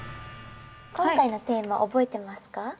今回のテーマ覚えてますか？